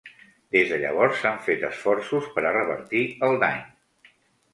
Des de llavors s'han fet esforços per a revertir el dany.